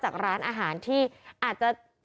จากร้านอาหารที่อาจจะ